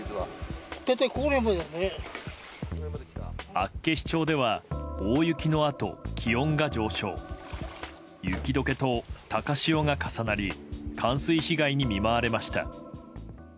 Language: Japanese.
厚岸町では大雪のあと気温が上昇雪解けと高潮が重なり冠水被害に見舞われました。